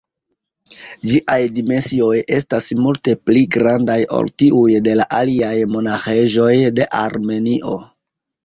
Ĝiaj dimensioj estas multe pli grandaj ol tiuj de la aliaj monaĥejoj de Armenio.